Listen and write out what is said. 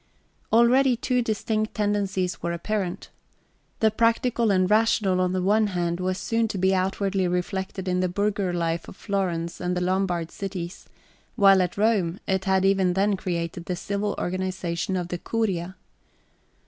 Already two distinct tendencies were apparent. The practical and rational, on the one hand, was soon to be outwardly reflected in the burgher life of Florence and the Lombard cities, while at Rome it had even then created the civil organization of the curia.